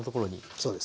そうです。